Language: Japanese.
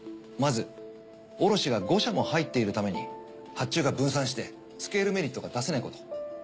まず卸が５社も入っているために発注が分散してスケールメリットが出せないこと。